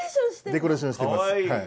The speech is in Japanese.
デコレーションしてます。